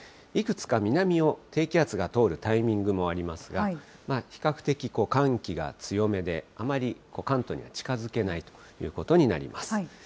いくつか南を低気圧が通るタイミングもありますが、比較的、寒気が強めで、あまり関東には近づけないということになります。